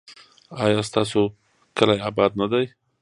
ایا ستاسو کلی اباد نه دی؟